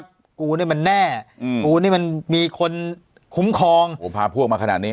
กูเนี่ยมันแน่อืมกูนี่มันมีคนคุ้มครองโอ้พาพวกมาขนาดนี้